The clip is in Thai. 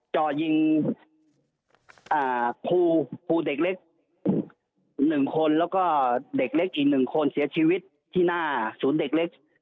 จ่อยิงครูครูเด็กเล็ก๑คนแล้วก็เด็กเล็กอีก๑คนเสียชีวิตที่หน้าศูนย์เด็กเล็ก